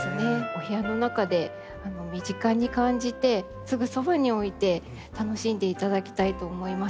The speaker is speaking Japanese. お部屋の中で身近に感じてすぐそばに置いて楽しんでいただきたいと思いますので。